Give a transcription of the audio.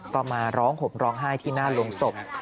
ก็มาร้องห่มร้องไห้ที่หน้าโรงศพ